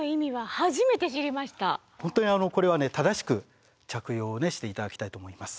本当にこれは正しく着用をして頂きたいと思います。